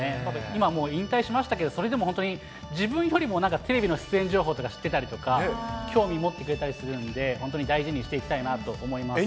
今もう引退しましたけど、それでも、自分よりもなんかテレビの出演情報とか知ってたりとか、興味持ってくれたりするんで、本当に大事にしていきたいと思います。